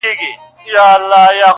دا ستا خبري او ښكنځاوي گراني ~